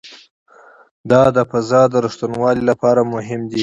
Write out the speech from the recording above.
دا د فضا د ریښتینولي لپاره مهم دی.